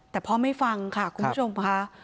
แต่พ่อไม่ฟังค่ะคุณผู้ชมค่ะ